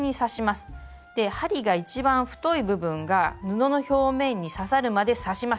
針が一番太い部分が布の表面に刺さるまで刺します。